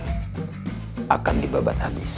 backing bekas anak buah kamu yang berkhianat